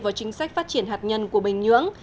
vào chính sách phát triển hạt nhân của bình nhưỡng